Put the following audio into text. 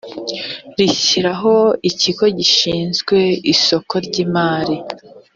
rishyiraho ikigo gishinzwe isoko ry imari